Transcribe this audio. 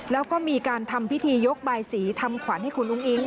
แล้วก็มีการทำพิธียกบายสีทำขวัญให้คุณอุ้งอิง